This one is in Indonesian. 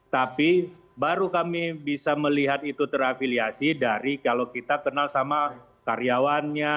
tapi baru kami bisa melihat itu terafiliasi dari kalau kita kenal sama karyawannya